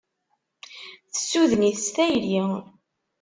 Tessuden-it s tayri.